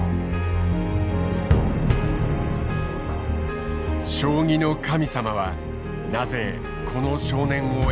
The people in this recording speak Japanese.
将棋の神様はなぜこの少年を選んだのだろうか。